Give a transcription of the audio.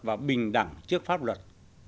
và bình đẳng trước pháp luật